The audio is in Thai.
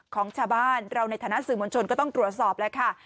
ของชาวบ้านเราในฐานะสื่อมวลชนก็ต้องตรวจสอบแล้วค่ะ